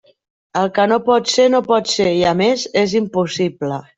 El que no pot ser, no pot ser, i a més és impossible.